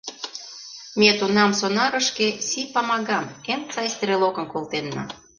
Ме тунам сонарышке Си-Памагам, эн сай стрелокым колтенна.